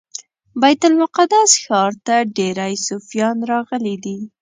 بیت المقدس ښار ته ډیری صوفیان راغلي دي.